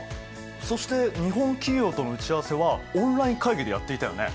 そして日本企業との打ち合わせはオンライン会議でやっていたよね。